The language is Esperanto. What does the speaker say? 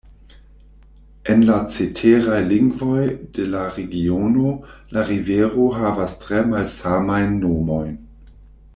En la ceteraj lingvoj de la regiono la rivero havas tre malsamajn nomojn.